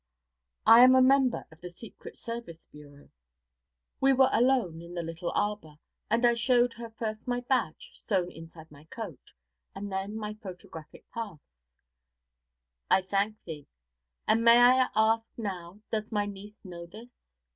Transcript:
I am a member of the Secret Service Bureau.' We were alone in the little arbour, and I showed her first my badge, sewn inside my coat, and then my photographic pass. 'I thank thee; and may I ask now does my niece know this?'